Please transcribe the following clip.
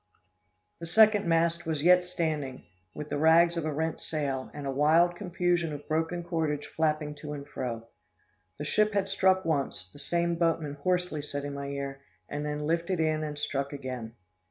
The second mast was yet standing, with the rags of a rent sail, and a wild confusion of broken cordage flapping to and fro. The ship had struck once, the same boatman hoarsely said in my ear, and then lifted in and struck again.